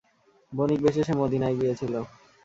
বণিকবেশে সে মদীনায় গিয়েছিল।